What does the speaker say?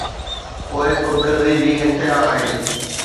پوءِ خود غرضي جي انتها آهي.